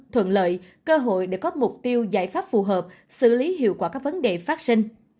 thuận lợi cơ hội để có mục tiêu giải pháp phù hợp xử lý hiệu quả các vấn đề phát sinh